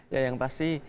ya yang pasti